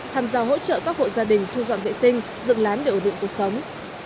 tham gia hỗ trợ các hộ gia đình thu dọn vệ sinh dựng lán để ổn định cuộc sống